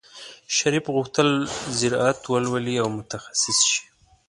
شریف غوښتل زراعت ولولي او متخصص شي.